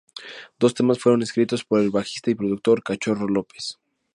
Dos temas fueron escritos por el bajista y productor Cachorro López.